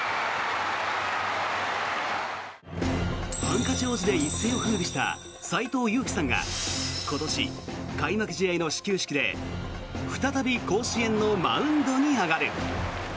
ハンカチ王子で一世を風靡した斎藤佑樹さんが今年、開幕試合の始球式で再び甲子園のマウンドに上がる。